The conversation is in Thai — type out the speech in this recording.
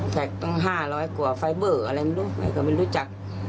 แสดง๕๐๐กว่าไฟเบอร์อะไรบ้างอย่างนึง